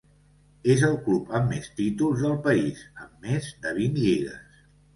És el club amb més títols del país, amb més de vint lligues.